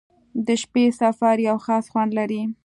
• د شپې سفر یو خاص خوند لري.